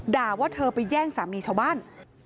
ด่าว่าเธอไปแย่งสามีชาวบ้าน